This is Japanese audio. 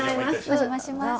お邪魔します。